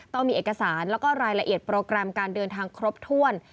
ต้องมีเอกสารแล้วก็รายละเอียดโปรแกรมการเดินทางครบถ้วน